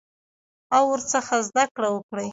او ورڅخه زده کړه وکړي.